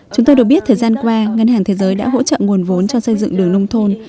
chúng tôi được biết thời gian qua ngân hàng thế giới đã hỗ trợ nguồn vốn cho xây dựng đường nông thôn